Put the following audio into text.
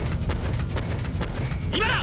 今だ！！